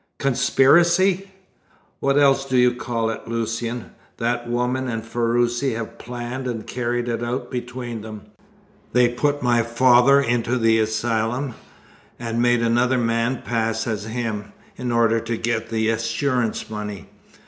"Conspiracy?" "What else do you call it, Lucian? That woman and Ferruci have planned and carried it out between them. They put my father into the asylum, and made another man pass as him, in order to get the assurance money.